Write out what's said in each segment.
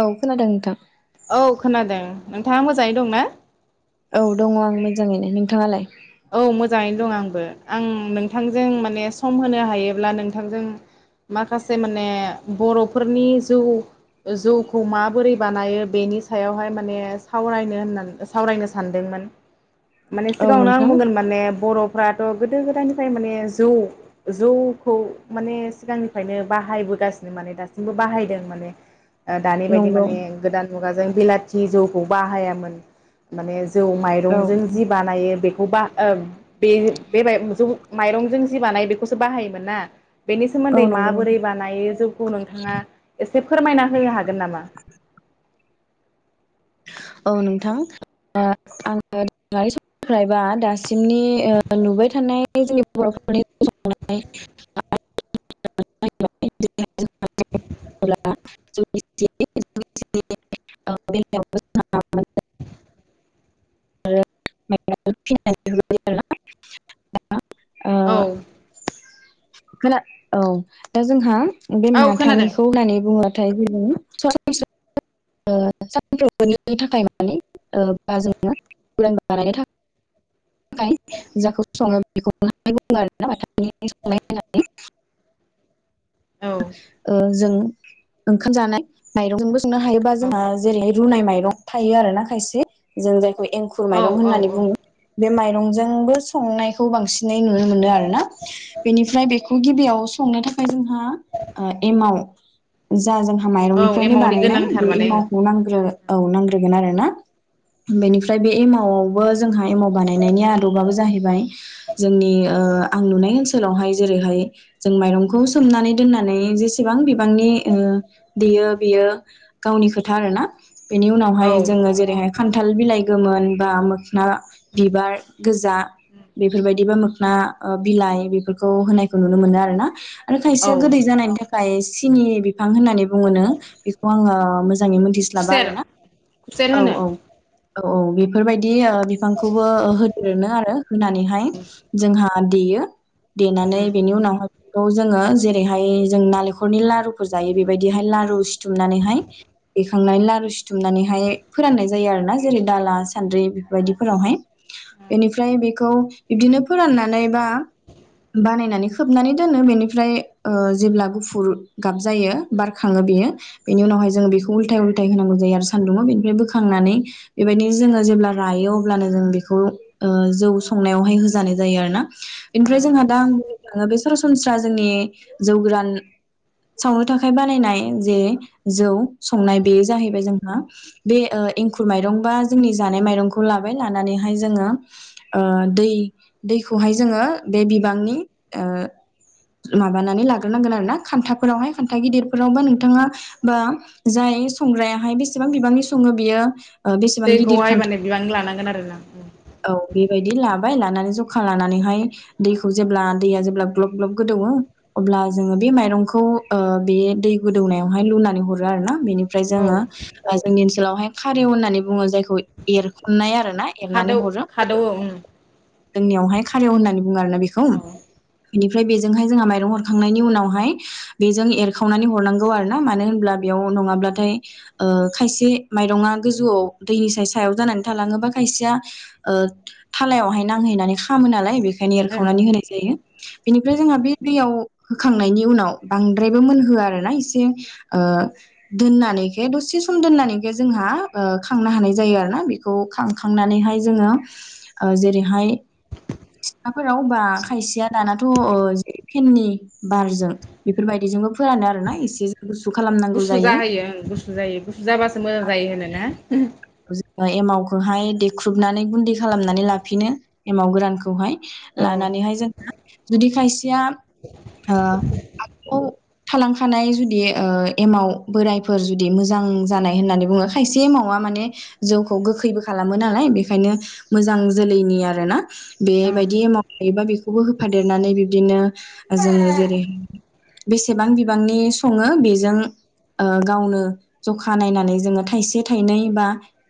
औ खोनादों नोंथां औ खोनादों नोंथाङा मोजाङै दंना? औ दङ आं मोजाङैनो नोंथाङालाय? औ मोजाङैनो दं आंबो ।आं नोंथांजों माने सम होनो हायोब्ला नोंथांजों माखासे माने बर'फोरनि जौ जौखौ माबोरै बानायो बेनि सायावहाय माने सावरायनो होननानै सावरायनो सानदोंमोन माने औ सिगाङावनो आङो नोंथां बुंगोन माने बरफ फ्राथ गोदो गोदायनिफ्राय माने जौ जौखौ माने सिगांनिफ्रायनो बाहायबोगासिनो माने दासिमबो बाहायदों माने ओ दानि बायदि नंगौ माने गोदान मुगा माबाजों बिलाथि जौखौ बाहायामोन माने जौ जौ औ माइरंजों जि बानायो बे वबा ओम बे बे बाइबंजों माइरंजों जि बानायो‌ बेखौसो बाहायोमोन ना बेनि औ सोमोन्दै नंगौ माबोरै नोंथां बानायो जौखौ नोंथाङा एसे फोरमायना होनो हागोन नामा? औ नोंथां आङो दानि समनिफ्रायबा दासिमनि ओ नुबाय थानाय जोंनि बरफोरनि जौ‌ संनाय [unintelligible] [unintelligible] आरो फिसिनानै दोननाय जायो‌ आरोना [unintelligible] औ। खोना औ दा जोंहा बे औ खोनादों माथानिखौ होनानै बुङो। [unintelligible] जेरै सरासनस्रा ओ सानफ्रोमबोनि थाखाय माने ओ बा जोंङो उरान बानायनो थाखाय जाखौ संङो बेखौनो बुंङो आरोना माथा [unintelligible] संनाय होननानै । औ ओ जों ओंखाम जानाय माइरंबो संनो हायोबा औ जोंहा जेरै रुनाय माइ रग थायो आरो ना खायसे । जों जायखौ एंखुर औ माइरं औ होननानै औ बुङो बे माइ [unintelligible] रंजोंबो संनायखौ बांसिनै नुनो मोनो आरोना बेनिफ्राय बेखौ औ गिबियाव संनो थाखाय जोंहा ओ एमाव जाजों औ माइरंनिफ्रायनो एमावनि बानायनाय गोनांथार बे माने एमावखौ नांग्रो औ नांग्रोगोन आरोना बेनिफ्राय बे एमावआवबो जोंहा एमाव बानायनायनि आदबाबो जाहैबाय जोंनि ओ आं नुनाय ओनसोलावहाय जेरैहाय जों माइरंखौ सोमनानै दोननानै जेसेबां [unintelligible] बिबांनि ओ बियो बियो गावनि खोथा आरोना । बेनि औ उनावहाय जोङो जेरैहाय खान्थाल बिलाइ गोमोन बा मोखना बिबार । गोजा बेफोरबायदिबा [unintelligible] ना ओ बिलाइ बेफोरखौ होननायखौ नुनो मोनो आरोना औ आरो गोदै जानायनि [unintelligible] [unintelligible] सिनि बिफां होननानै बो मोनो बेखौ आङो [unintelligible] मोजाङै मिथिस्लाबा खुसेर आरोना खुसेर औ होनो औ । औ औ बेफोरबायदि ओ बिफांखौबो होद्रोनो आरो होनानैहाय जोंहा आ देयो । देनानै बेनि उनावहाय औ जोङो जेरै जेरैहाय जों नालेंखरनि लारुफोर जायो बेबायदिहाय लारु सिथुमनानैहाय बेखांनानै लारु सिथुमनानैहाय फोराननाय जायो आरोना जेरै दाला सान्द्रि बेफोरबायदिफोरावहाय । बेनिफ्राय बेखौ बिबदिनो फोराननानै बा बानायनानै खोबनानै दोनो बेनिफ्राय ओ जेब्ला गुफुर गाबजायो बारखाङो बेयो बेनि उनावहाय जोङो बेखौ उल्थाय उल्थाय होनांगौ जायो आरो सान्दुंङाव बेनिफ्राय बोखांनानै बेबायदिनो जोङो जेब्ला रायो अब्लानो जों बेखौ ओ जौ संनायावहाय होजानाय जायो आरोना । एनिफ्राय जोंहा दां [unintelligible] बेसे सरासनस्रा जोंनि जौ गोरान सावनो थाखाय बानायनाय जे जौ संनाय बे जाहैबाय जोंहा बे ओ एंखुर माइरं बा जोंनि जानाय माइरंखौ लाबाय लानानैहाय जोङो ओ दै दैखौहाय जोङो बे बिबांनि ओ माबानानै ला ग्रो नांगोन आरोना खान्थाफोरावहाय खान्था गिदिरफोरावबा नोंथाङा बा जाय संग्रायाहाय बेसेबां बिबांनि सङो बियो ओ बेसेबां गिदिर दैखौहाय खान्था माने बिबांनि लानांगोन आरोना? औ बेबायदि लाबाय लानानै जखा लानानैहाय दैखौ जेब्ला दैया जेब्ला ग्लब ग्लब गोदोवो अब्ला जोङो बे माइरंखौ ओ बे दै गोदौनायावहाय लुनानै हरो आरोना बेनि ओमफ्राय औ जोङो ओ जोंनि ओनसोलावहाय खारेव होननानै बुङो जायखौ एरख'नाय आरो। ना खादौ एरनानै हरो खादौ अ ओं। जोंनियावहाय खारेव होननानै बुङो आरोना बेखौ इनिफ्राय बेजोंहाय जोंहा माइरं हर खांनायनि उनावहाय बेजों एरखावनानै हरनांगौ आरो ना मानो होनब्ला बेयाव नङाब्लाथाय ओ खायसे माइरङा गोजौआव दैनि साय सायाव जानानै थालाङोबा खायसेया ओ थालायावहाय नांहैनानै खामो नालाय बे खायनो ओं एरखावनानै होनाय जायो। बेनिफ्राय जोंहा बे दैयाव होखांनायनि उनाव बांद्रायबो मोनहोआ आरोना एसे ओ दोननानैखे दसे सम दोननानैखे जोंहा ओ खांनो हानाय जायो आरोना बेखौ खांखांनानैहाय जोङो ओ जेरैहाय सिथ्लाफोराव बा खायसेया दानाथ' ओ फेननि बारजों बेफोरबायदिजोंबो फोरानो आरोना एसे गुस गुसु जाहोयो ओं गुसु जायो गुसु जाबासो मोजां जायो होनोना? एमावखौहाय देख्रुबनानै गुन्दै खालामनानै लाफिनो एमाव गोरानखौहाय औ लानानैहाय जोंहा जुदि खायसेया ओ आव थालांखानाय जुदि एमाव बोरायफोर जुदि मोजां जानाय होननानै बुङो खायसे एमावा माने जौखौ गोखैबो खालामो नालाय बेखायनो मोजां जोलैनि आरोना औ बेबायदि एमाउ थायोबा बेखौबो होफादेरनानै बिब्दिनो जोङो जेरै बेसेबां बिबांनि सङो बेजों गावनो जखा नायनानै जोङो थाइसे थाइनै बा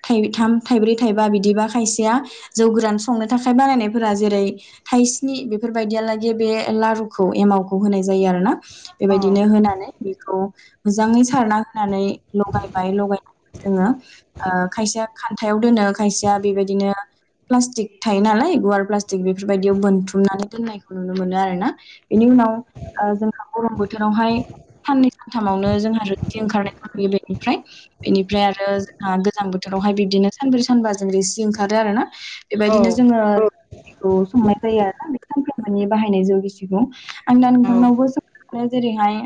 थाइथाम थाइब्रै थाइबा बिदिबा खायसेया जौ गोरान संनो थाखाय बानायनायफोरा जेरै थाइस्नि बेफोरबायदियालागै बे लारुखौ एमावखौ होनाय जायो आरोना। बेबायदिनो होनानै बेखौ मोजाङै सारना होनानै लगायबाय लगायनानै जोङो ओ खायसेया खान्थायाव दोनो खायसेया बेबायदिनो प्लास्टिक थायो नालाय गुवार प्लास्टिक बेफोरबायदियाव बोनथुमनानै दोननायखौ नुनो मोनो आरोना बेनि उनाव ओ जोंहा गरम बोथोरावहाय साननै सानथामावनो जोंहा रोथि ओंखारनाय नुयो बेनिफ्राय बेनिफ्राय आरो हा गोजां बोथोरावहाय बिब्दिनो सानब्रै सानबा जों रोसि ओंखारो आरोना। औ बेबायदिनो जोङो खौ संनाय जायो आरोना बे सानफ्रोमबोनि बाहायनाय जौ गिसिखौ आं दा औ नोंथांनावबो सोंनो जेरैहाय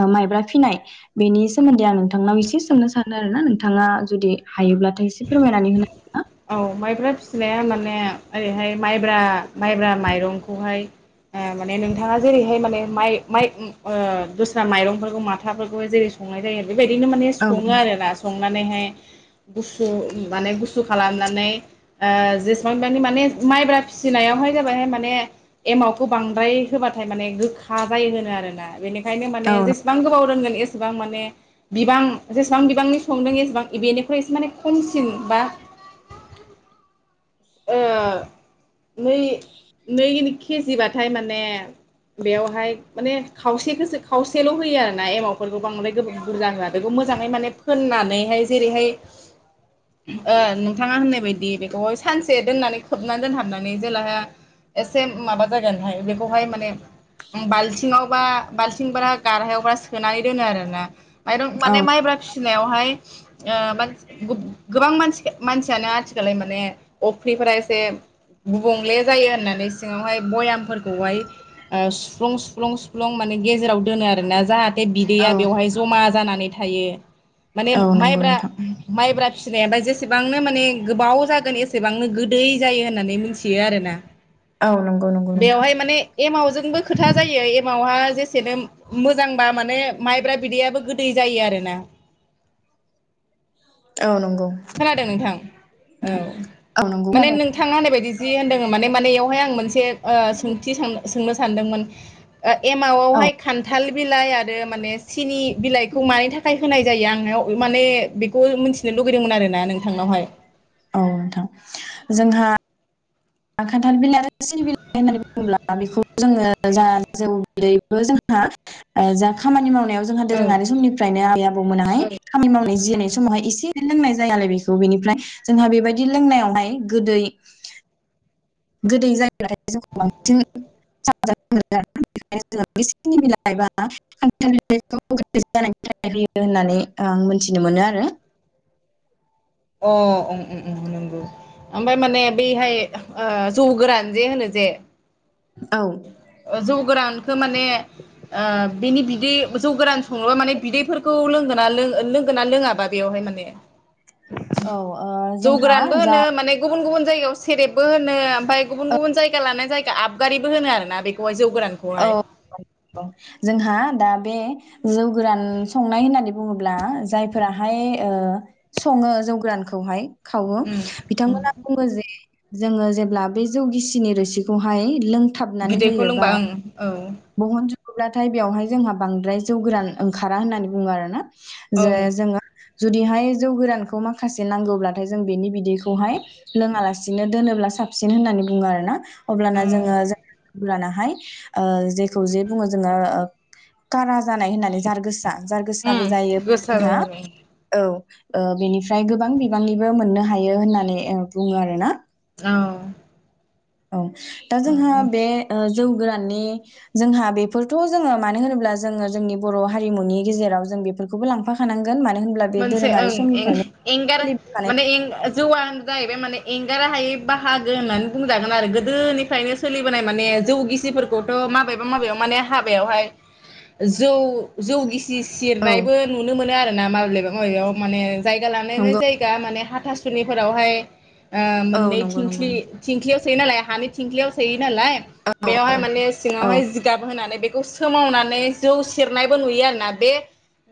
ओ माइब्रा फिनाय बेनि सोमोन्दै आं नोंथांनाव एसे सोंनो सानो आरोना नों थाङा जुदि हायोब्लाथाय एसे फोरमायनानै होनो हा फिनाया माने ओरैहाय माइब्रा माइब्रा माइरंखौहाय ओ माने नोंथाङा जेरैहाय माने माइ माइ उम ओ दस्रा माइरंफोरखौ माथाफोरखौ जेरै संनाय जायो बेबायदिनो माने सङो औ आरोना सं थांनानैहाय गुसु माने गुसु खालामनानै ओ जेसेबां [unintelligible] माने माइब्रा फिसिनायावहाय [unintelligible] माने एमावखौ बांद्राय होबाथाय माने गोखा जायो होनो आरोना बेनि ओंखायनो माने औ जेसेबां गोबाव दोनगोन एसेबां माने बिबां जेसेबां बिबांनि संदों एसेबां बेनिखफ्राय एसे माने खमसिन बा ओ नै नै केजिबाथाय माने बेयावहाय माने खावसेखौसो खावसेल होयो आरोना एमावफोरखौ बांद्राय बुरजा होआ बेखौ मोजाङै माने फोननानैहाय जेरैहाय ओ नोंथाङा होननाय बायदि बेखौहाय सानसे दोननानै खोबनानै दोनहाबनानै जेलाहा एसे माबा जागोनहाय बेखौहाय माने बाल्थिङाव बा बाल्थिं ब्रा गारहायावबा सोनानै दोनो आरोना माइरं औ माने मायब्रा फाननायावहाय ओ गोबां मानसियानो आथिखालाव माने अफ्रिफोरा एसे गुबुंले जायो होननानै सिङावहाय बयामफोरखौहाय सुफ्लुं सुफ्लुं सुफ्लुं माने गेजेराव दोनो आरोोना जाहाथे बे औ बिदैया बेवहाय जमा जानानै थायो थायो माने औ नंगौ माइब्रा नोंथां माइब्रा फिसिनायाबा जेसेबां माने गोबाव जागोन एसे एसेबांनो गोदै जायो होननानै मिथियो आरोना औ नंगौ नंगौ नोंथां बेवहाय माने एमाव जोंबो खोथा जायो एमावहा जे एसेनो मोजांबा माने माइब्रा बिदैयाबो गोदै जायो आरोना औ नंगौ खोनादों नोंथां औ औ नंगौ माने खोनादों नोंथाङा होननाय बायदि जि होनदों माने माने यियावहाय आं मोनसे सोंथि साननो सो सोंनो सानदोंमोन औ एमावआवहाय खान्थाल बिलाइ आरो माने सिनि बिलाइखौ मानि थाखाय होनाय जायो आं माने बेखौ मिथिनो लुबै लुबैदोंमोन आरो ना नोंथांनावहाय औ नोंथां जोंहा खान्थाल बिलाइ आरो सिनि बिलाइ होननानै बुङोब्ला बेखौ जोङो जा जों दैबो जोंहा जा खामानि माव जोंहा औ दोरोङारि समनिफ्राइ नो आबै आबौ मोनाहाय खामानि मावनाय जिरायनाय समावहाय एसे एनै लोंनाय जायो नालाय बेखौ बेनिफ्राय जोंहा बेबायदि लोंनायावहाय गोदै गोदै जायोब्लाथाय जों बांसिन [unintelligible] सिनि बिलाइ आरो खान्थाल बिलाइखौ गोदै जानायनि थाखाय होयो होननानै मिथिनो मोनो आरो अ ओम ओम नंगौ ओमफ्राय माने बैहाय जौ गोरान जे होनो जे औ जौ गोरानखौ माने ओ बिनि बिदै जौ गोरान संङोबा माने बिदैफोरखौ लोंगोना लो लोंगोना लोङाबा बेवहाय माने औ ओ जोंहा जौगोरानबो जा होनो माने गुबुन गुबुन जायगायाव सेरेबबो होनो ओमफ्राय गुबुन औ गुबुन जायगा लानाय जायगा आबगारि होनो आरोना बेखौहाय जौ औ गोरानखौहाय जोंहा दा बे जौ गोरान संनाय होननानै बुङोब्ला जायफोराहाय सङो जौ गोरानखौहाय खावो उम उम बिथांमोना बुङो जे जोङो जेब्ला बे जौ गिसिनि रोसिखौहाय लों बिदैखौ लोंबाय ओं औ ब्लाथाय बेवहाय जोंहा बांद्राय जौ गोरान ओंखारा होननानै बुङो आरो ना औ जे जोङो। जुदिहाय जौ गोरानखौ माखासे नांगौब्लाथाय जों बेनि बिदैखौहाय लोङालासिनो दोनोब्ला साबसिन होननानै बुङो आरो ना अब्लाना उम जोङो अब्लानाहाय ओ जेखौ जे बुङो जोङो कारा जानाय होननानै जार गोस जार गोसाबो जायो उम गोसा जोंहा जायो औ। ओ बेनिफ्राय गोबां बिबांनिबो मोननो हायो होननानै बुङो आरो ना औ औ दा जोंहा उम बे ओ जौ गोराननि जोंहा बेफोरथ' जोङो मानो होनोब्ला जोङो जोंनि बर' हारिमुनि गेजेराव जों बेफोरखौबो लांफाखानां मोनसे ओं एं-एंगार सोलिबोखानाय माने एं-जौवा जाहैबाय माने एंगार हायै बाहागो होननानै बुंजागोन आरो गोदोनिफ्रायनो सोलिबोनाय माने जौ गिसिफोरखौथ' माबेबा माबेयाव माने हाबायावहाय जौ जौ गिसि औ सिरनायबो नुनो मोनो आरो। नामा [unintelligible] [unintelligible] याव माने जायगा लानायानानै नंगौ जायगा माने हा थासुनिफोरावहाय ओ औ मोननै नंगौ नंगौ थिंख्लि थिंख्लियाव सोयो नालाय हानि थंख्लियाव सोयो नालाय बेयावहाय माने सिङावहाय जिगाब होनानै बेखौ सोमावनानै जौ सेरनायबो नुयो आरोना बे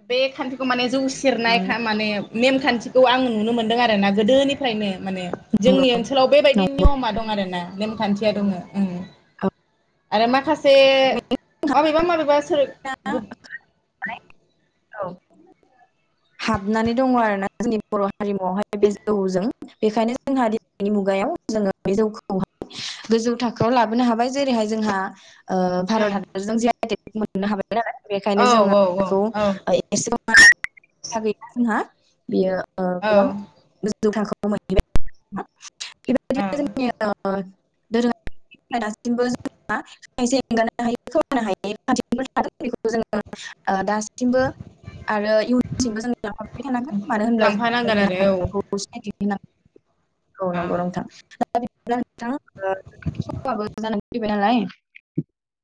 बे खान्थिखौ माने जौ सेरनायखा नंगौ माने नेमखान्थिखौ आं नुनो मोनदों आरो आरो ना गोदोनिफ्रायनो माने जोंनि ओनसोलाव बेबायदि नंगौ नियमा दं आरोना। नेमखान्थिया दङो उम आरो माखा से माब माबेबा माबेबा [unintelligible] औ हाबनानै दङ आरोना जोंनि बर' हारिमुआवहाय बे जौजों बेखायनो जोंहा दिनैनि मुगायाव जोङो बे जौखौहाय गोजौ थाखोआव लाबोनो हाबाय जेरैहाय जोंहा ओ उम भारत हादरजों जे [unintelligible] मोननो हाबाय [unintelligible] बेखायनो औ जोङो औ औ बेखौ औ [unintelligible] था गैया जोंहा बियो ओ औ गोबां [unintelligible] गोजौ थाखोआव औ मोनहैबाय [unintelligible] धोरोम दासिमबो जोंसे एंगारनो हायो खानो [unintelligible] [unintelligible] आरो इयुनमबो जों लांफाबाय थानांगोन मानो होनब्ला जों लांफानांगोन जोंनि आरो औ हारिमुखौ सिनाय [unintelligible] [unintelligible] औ नोंगौ नोंथां [unintelligible]